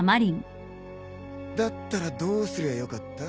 だったらどうすりゃよかった？